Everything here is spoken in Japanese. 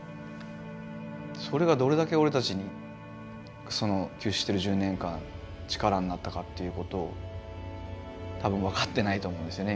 それがどれだけ俺たちにその休止してる１０年間力になったかっていうことを多分分かってないと思うんですよね